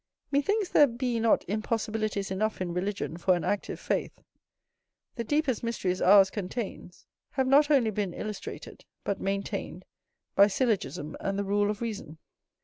Methinks there be not impossibilities enough in religion for an active faith: the deepest mysteries ours contains have not only been illustrated, but maintained, by syllogism and the rule of reason.